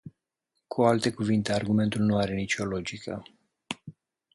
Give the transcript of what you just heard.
Cu alte cuvinte, argumentul nu are nicio logică.